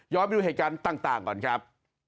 ไปดูเหตุการณ์ต่างก่อนครับ